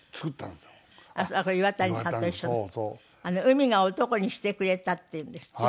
『海が男にしてくれた』っていうんですって？